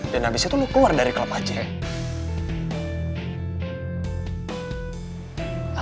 dan abis itu lo keluar dari klub aja ya